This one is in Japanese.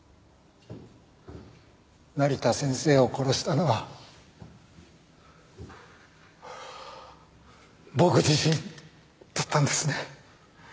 成田先生を殺したのは僕自身だったんですね。